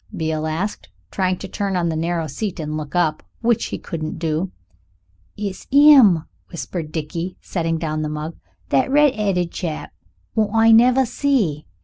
Beale asked, trying to turn on the narrow seat and look up, which he couldn't do. "It's 'im," whispered Dickie, setting down the mug. "That red'eaded chap wot I never see."